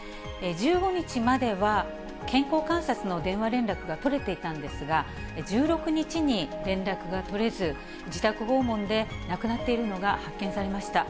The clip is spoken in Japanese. １５日までは健康観察の電話連絡が取れていたんですが、１６日に連絡が取れず、自宅訪問で亡くなっているのが発見されました。